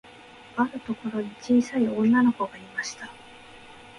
あるところに、ちいさい女の子がいました。